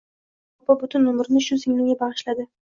Rahima opa butun umrini shu singlimga bag`ishladi